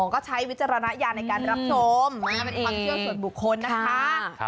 ก็ใช้วิจารณญาณในการรับชมเป็นความเชื่อส่วนบุคคลนะคะ